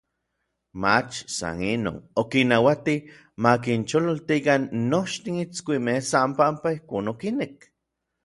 mach san inon, okinnauati makinchololtikan nochtin itskuimej san panpa ijkon okinek.